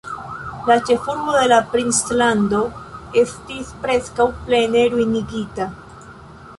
La ĉefurbo de la princlando estis preskaŭ plene ruinigita.